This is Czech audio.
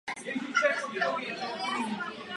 Chodbou je k dosažení modlitebna.